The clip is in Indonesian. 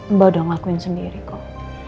mbak udah ngelakuin sendiri kok